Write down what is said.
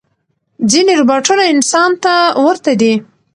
ځینې روباټونه انسان ته ورته دي.